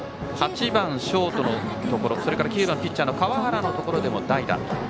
８番ショートのところ９番ピッチャー川原のところでも代打です。